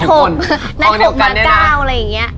นัทหกนาที่๙แปลว่ากินัทอีกท๐๐